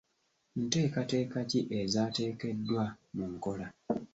Nteekateeka ki ezaateekeddwa mu nkola?